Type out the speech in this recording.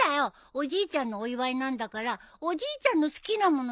おじいちゃんのお祝いなんだからおじいちゃんの好きなものでやらないと。